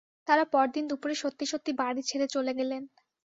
তাঁরা পরদিন দুপুরে সত্যি সত্যি বাড়ি ছেড়ে চলে গেলেন।